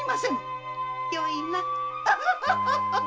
よいな！